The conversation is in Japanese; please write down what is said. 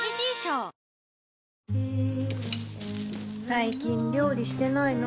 最近料理してないの？